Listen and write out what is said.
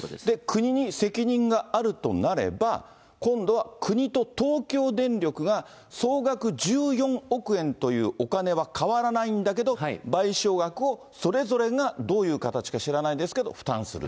国に責任があるとなれば、今度は国と東京電力が総額１４億円というお金は変わらないんだけど、賠償額を、それぞれがどういう形か知らないですけど、負担する。